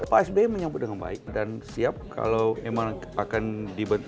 pak sby menyambut dengan baik dan siap kalau memang akan dibentuk